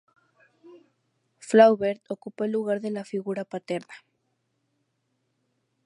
Flaubert ocupó el lugar de la figura paterna.